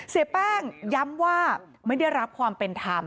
เสียแป้งย้ำว่าไม่ได้รับความเป็นธรรม